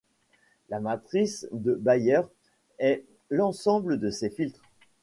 La matrice de Bayer est l'ensemble de ces filtres.